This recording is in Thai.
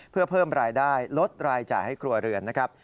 เพื่อเพิ่มรายได้ลดรายจ่ายให้ครัวเรือนนะครับ